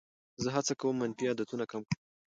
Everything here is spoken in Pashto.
زه هڅه کوم منفي عادتونه کم کړم.